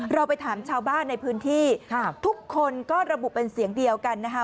เราไปถามชาวบ้านในพื้นที่ทุกคนก็ระบุเป็นเสียงเดียวกันนะคะ